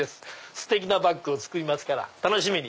ステキなバッグを作りますから楽しみに！